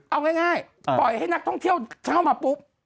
เอาง่ายปล่อยให้นักท่องเที่ยวเข้ามาปุ๊บ